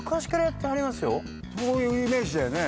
そういうイメージだよね。